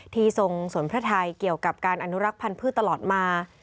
ทรงสวนพระไทยเกี่ยวกับการอนุรักษ์พันธ์พืชตลอดมา